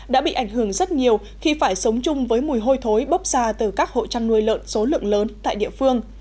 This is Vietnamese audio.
đã bị ảnh hưởng rất nhiều khi phải sống chung với mùi hôi thối bốc ra từ các hộ chăn nuôi lợn số lượng lớn tại địa phương